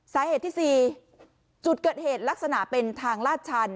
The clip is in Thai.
สาเหตุที่๔จุดเกิดเหตุลักษณะเป็นทางลาดชัน